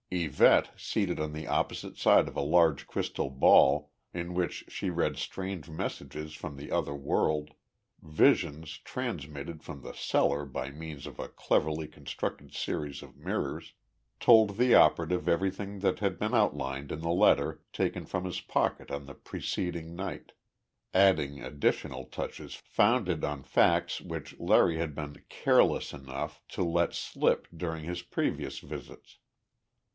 Yvette, seated on the opposite side of a large crystal ball in which she read strange messages from the other world visions transmitted from the cellar by means of a cleverly constructed series of mirrors told the operative everything that had been outlined in the letter taken from his pocket on the preceding night, adding additional touches founded on facts which Larry had been "careless" enough to let slip during his previous visits.